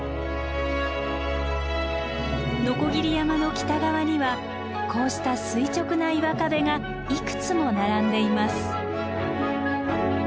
鋸山の北側にはこうした垂直な岩壁がいくつも並んでいます。